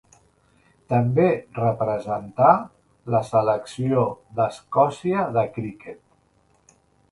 També representà la selecció d'Escòcia de criquet.